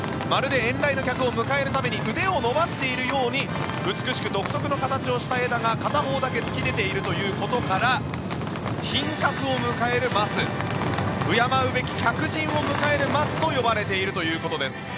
まるで遠来の客を迎えるために腕を伸ばしているように美しく独特な形をした枝が片方だけ突き出ているということから賓客を迎える松敬うべき客人を迎える松と呼ばれているそうです。